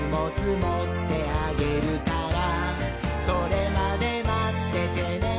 「それまでまっててねー！」